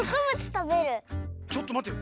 ちょっとまってよ。